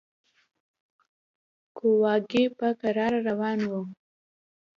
کواګې په کراره روان و.